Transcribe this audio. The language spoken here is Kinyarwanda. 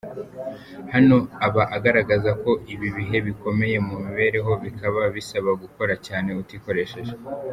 Hano aba agaragaza ko ibi bihe bikomeye mu mibereho bikaba bisaba gukora cyane utikoresheje.